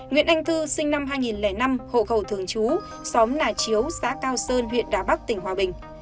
nguyễn anh thư sinh năm hai nghìn năm hộ khẩu thường chú xóm nà chiếu xã cao sơn huyện đà bắc tỉnh hòa bình